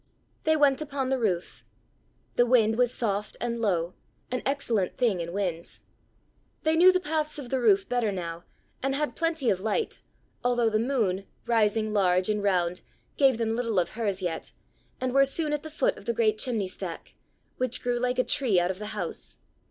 They went upon the roof. The wind was soft and low, an excellent thing in winds. They knew the paths of the roof better now, and had plenty of light, although the moon, rising large and round, gave them little of hers yet, and were soon at the foot of the great chimney stack, which grew like a tree out of the house.